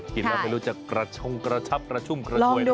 กินแล้วไม่รู้จะกระชงกระชับกระชุ่มกระชวยหรือเปล่า